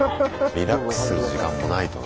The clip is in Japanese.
リラックスする時間もないとな。